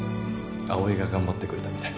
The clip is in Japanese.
葵が頑張ってくれたみたい。